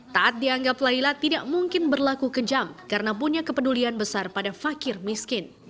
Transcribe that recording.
taat dianggap laila tidak mungkin berlaku kejam karena punya kepedulian besar pada fakir miskin